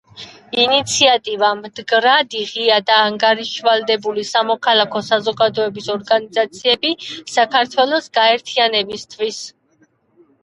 ინიციატივა: მდგრადი, ღია და ანგარიშვალდებული სამოქალაქო საზოგადოების ორგანიზაციები საქართველოს განვითარებისთვის